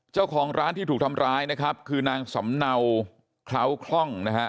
เจ้าของร้านที่ถูกทำร้ายนะครับคือนางสำเนาเคล้าคล่องนะฮะ